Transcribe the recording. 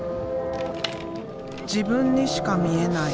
自分にしか見えない